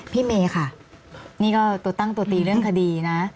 เมค่ะนี่ก็ตัวตั้งตัวตีเรื่องคดีนะ